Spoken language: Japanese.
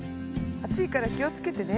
あついからきをつけてね。